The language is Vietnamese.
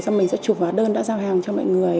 xong mình sẽ chụp vào đơn đã giao hàng cho mọi người